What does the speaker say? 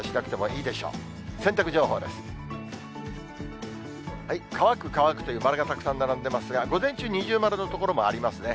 乾く、乾くという丸がたくさん並んでますが、午前中二重丸の所もありますね。